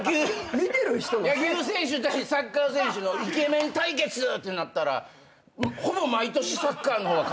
野球選手対サッカー選手のイケメン対決ってなったらほぼ毎年サッカーの方が勝ってる気が。